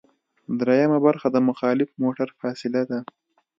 دریمه برخه د مخالف موټر فاصله ده